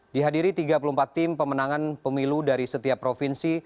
dihadiri tiga puluh empat tim pemenangan pemilu dari setiap provinsi